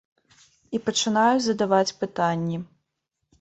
І пачынаю задаваць пытанні.